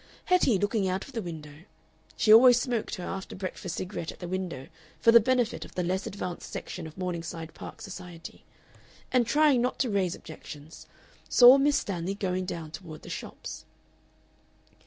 Hetty, looking out of the window she always smoked her after breakfast cigarette at the window for the benefit of the less advanced section of Morningside Park society and trying not to raise objections, saw Miss Stanley going down toward the shops.